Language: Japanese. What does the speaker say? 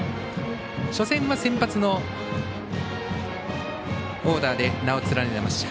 初戦は先発のオーダーで名を連ねていました。